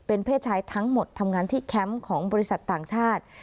เพศชายทั้งหมดทำงานที่แคมป์ของบริษัทต่างชาติ